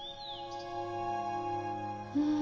うん。